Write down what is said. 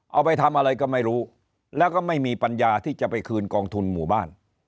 เอาไปทำอะไรก็ไม่รู้แล้วก็ไม่มีปัญญาที่จะไปคืนกองทุนหมู่บ้าน